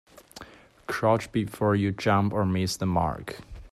Crouch before you jump or miss the mark.